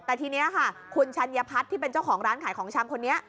แต่ทีนี้ค่ะคุณชัญพัฒน์ที่เป็นเจ้าของร้านขายของชำคนนี้